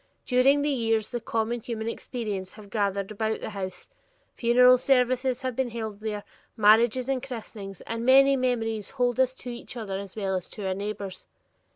During the years, the common human experiences have gathered about the House; funeral services have been held there, marriages and christenings, and many memories hold us to each other as well as to our neighbors.